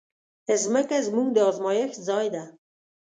مځکه زموږ د ازمېښت ځای ده.